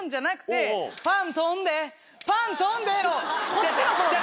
こっちの。